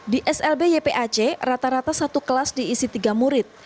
di slb ypac rata rata satu kelas diisi tiga murid